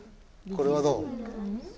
これはどう？